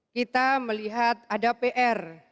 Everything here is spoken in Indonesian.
kita melihat ada pr